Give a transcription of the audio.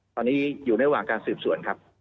ตอนนี้อยู่ระหว่างการสืบสวนครับ